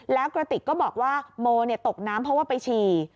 แล้วกระติกก็บอกว่าโมตกน้ำเพราะว่าไปฉี่